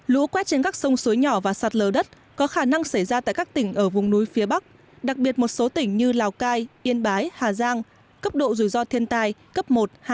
lũ quét trên các sông suối nhỏ và sạt lờ đất có khả năng xảy ra tại các tỉnh ở vùng núi phía bắc đặc biệt một số tỉnh như lào cai yên bái hà giang cấp độ rủi ro thiên tai cấp một hai